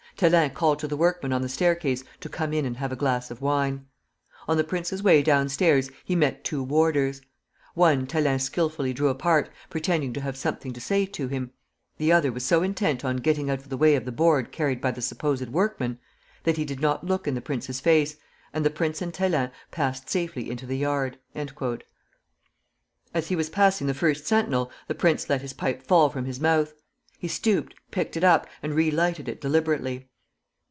Thélin called to the workmen on the staircase to come in and have a glass of wine. On the prince's way downstairs he met two warders. One Thélin skilfully drew apart, pretending to have something to say to him; the other was so intent on getting out of the way of the board carried by the supposed workman that he did not look in the prince's face, and the prince and Thélin passed safely into the yard." As he was passing the first sentinel, the prince let his pipe fall from his mouth. He stooped, picked it up, and re lighted it deliberately.